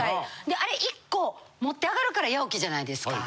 であれ１コ持ってあがるから八起きじゃないですか。